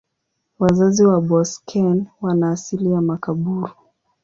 Wazazi wa Boeseken wana asili ya Makaburu.